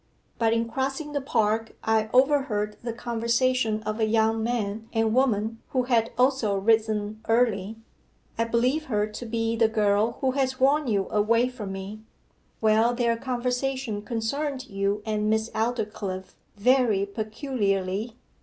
But in crossing the park I overheard the conversation of a young man and woman who had also risen early. I believe her to be the girl who has won you away from me. Well, their conversation concerned you and Miss Aldclyffe, very peculiarly.